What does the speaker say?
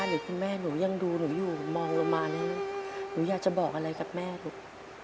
หรือคุณแม่หนูยังดูหนูอยู่มองลงมานั้นหนูอยากจะบอกอะไรกับแม่ลูก